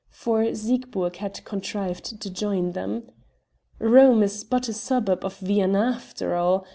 for Siegburg had contrived to join them. "Rome is but a suburb of Vienna after all!